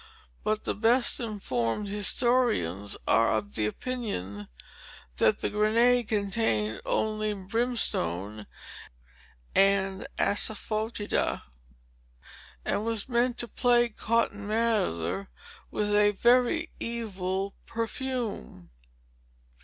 But the best informed historians are of opinion, that the grenade contained only brimstone and assaf[oe]tida, and was meant to plague Cotton Mather with a very evil perfume.